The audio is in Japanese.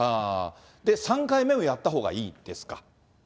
３回目をやったほうがいいですか。